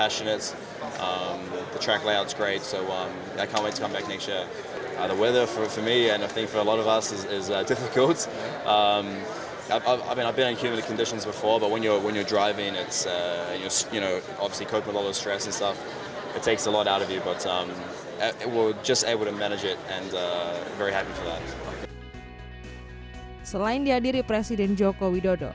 selain dihadiri presiden joko widodo